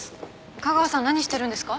架川さん何してるんですか？